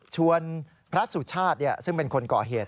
ชวนพระสุชาติเนี่ยซึ่งเป็นคนก่อเหตุ